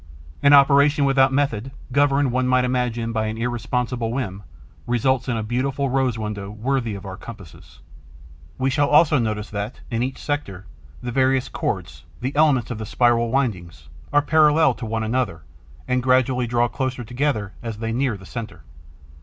An operation without method, governed, one might imagine, by an irresponsible whim, results in a beautiful rose window worthy of our compasses. We shall also notice that, in each sector, the various chords, the elements of the spiral windings, are parallel to one another and gradually draw closer together as they near the centre.